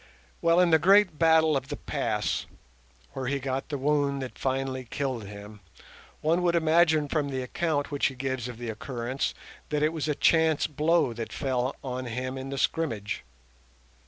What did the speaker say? Well, in the great battle of the Pass, where he got the wound that finally killed him, one would imagine from the account which he gives of the occurrence that it was a chance blow that fell on him in the scrimmage.